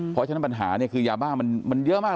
เพราะฉะนั้นปัญหาเนี่ยคือยาบ้ามันเยอะมาก